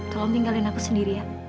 tolong tinggalin aku sendiri ya